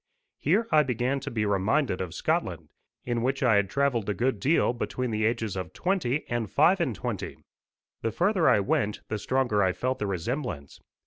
Here I began to be reminded of Scotland, in which I had travelled a good deal between the ages of twenty and five and twenty. The further I went the stronger I felt the resemblance.